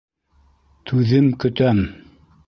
Түҙем көтәм.